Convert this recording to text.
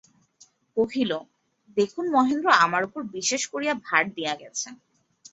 কহিল, দেখুন মহেন্দ্র আমার উপর বিশেষ করিয়া ভার দিয়া গেছে।